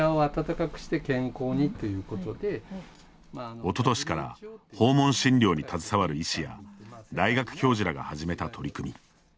おととしから訪問診療に携わる医師や大学教授らが始めた取り組み。